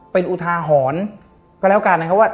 เป็นอุทาหรณ์ก็แล้วกันนะครับว่า